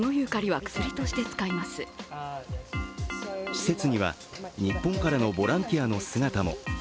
施設には日本からのボランティアの姿も。